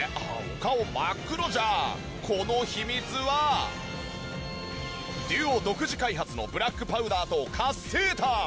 この秘密はＤＵＯ独自開発のブラックパウダーと活性炭！